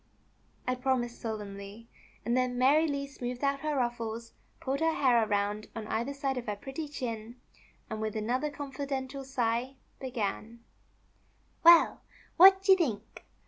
I promised solemnly, and then Mary Lee smoothed out her ruffles, pulled her hair around on either side of her pretty chin, and with another confidential sigh began : '^Well, what you think!